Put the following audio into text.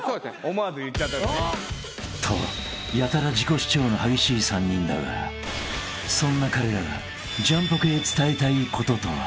［とやたら自己主張の激しい３人だがそんな彼らがジャンポケへ伝えたいこととは］